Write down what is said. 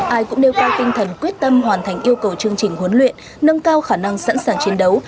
ai cũng nêu cao tinh thần quyết tâm hoàn thành yêu cầu chương trình huấn luyện nâng cao khả năng sẵn sàng chiến đấu